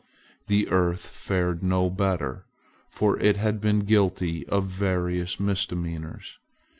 The earth fared no better, for it had been guilty of various misdemeanors.